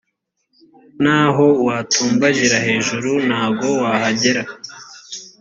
naho watumbagira hejuru ntago wahagera